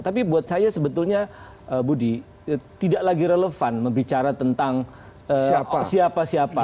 tapi buat saya sebetulnya budi tidak lagi relevan membicara tentang siapa siapa